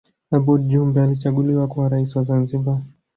abooud jumbe alichaguliwa kuwa rais wa zanzibar